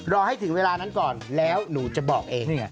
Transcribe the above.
รอให้ถึงเวลานั้นก่อนแล้วหนูจะบอกเอง